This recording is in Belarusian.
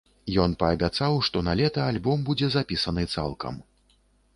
Ён паабяцаў, што налета альбом будзе запісаны цалкам.